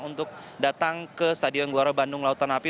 untuk datang ke stadion gbla bandung lautanapi